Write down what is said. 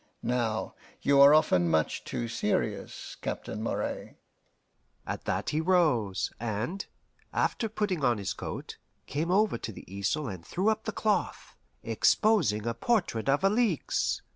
Now, you are often much too serious, Captain Moray." At that he rose, and, after putting on his coat, came over to the easel and threw up the cloth, exposing a portrait of Alixe!